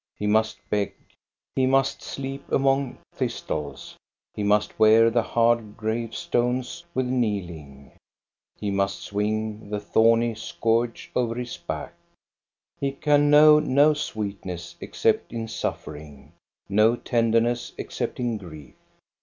He must beg. He must sleep among thistles. He must wear the hard grave stones with kneeling. He must swing the thorny scourge over his back. He can know no sweetness except in suffering, no tenderness except in grief.